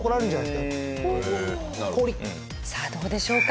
さあどうでしょうか？